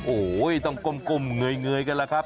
โอ้ยต้องกลมเงยกันล่ะครับ